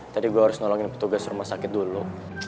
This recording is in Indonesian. tadi gue harus nolongin petugas rumah sakit dulu